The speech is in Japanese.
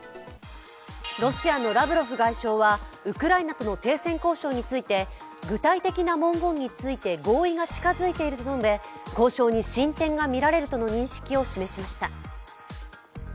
ロシアのラブロフ外相はウクライナとの停戦交渉について具体的な文言について合意が近づいていると述べ、交渉に進展が見られるとの認識を示しました。